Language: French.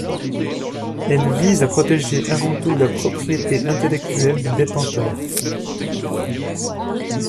Elles visent à protéger avant tout la propriété intellectuelle du détenteur.